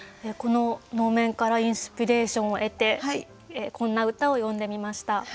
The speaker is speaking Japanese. この能面からインスピレーションを得てこんな歌を詠んでみました。